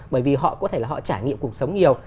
bởi vì họ có thể là họ trải nghiệm cuộc sống nhiều